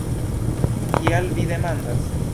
Kial vi demandas?